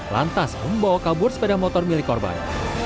lantas membawa kabur sepeda motor milik korban